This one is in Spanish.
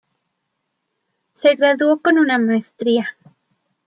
Se graduó con una Maestría.